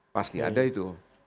pasti ada itu